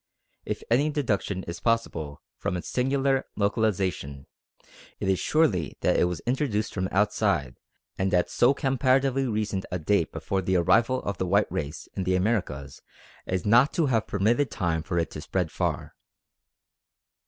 If any deduction is possible from its singular localisation, it is surely that it was introduced from outside and at so comparatively recent a date before the arrival of the White race in the Americas as not to have permitted time for it to spread far.